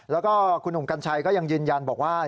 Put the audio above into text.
แล้วก็คุณหนุ่มกัญชัยก็ยังยืนยันบอกว่า